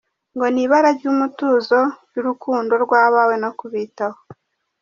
Ngo ni ibara ry’ umutuzo, ry’urukundo rw’abawe no kubitaho.